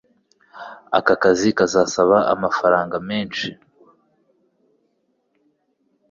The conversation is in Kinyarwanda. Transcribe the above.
Aka kazi kazasaba amafaranga menshi.